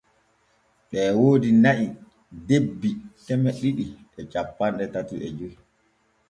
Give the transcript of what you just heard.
Ɓee woodi na’i debbi keme ɗiɗi e cappanɗe tati e joy.